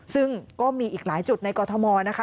ซึ่งก็มีอีกหลายจุดในกรทมนะคะ